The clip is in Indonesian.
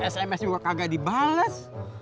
sms gue gak dibalas